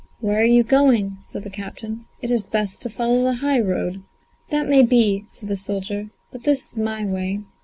"Where are you going?" said the captain; "it is best to follow the high road." "That may be," said the soldier, "but this is my way."